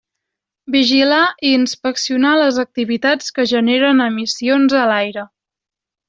Vigilar i inspeccionar les activitats que generen emissions a l'aire.